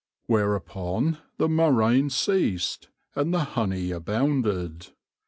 Whereupon the murraine ceased, and the Honie abounded.